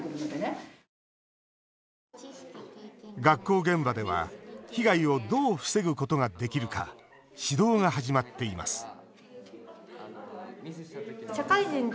学校現場では被害をどう防ぐことができるか指導が始まっています